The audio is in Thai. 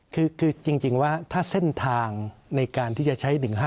คือจริงว่าถ้าเส้นทางในการที่จะใช้๑๕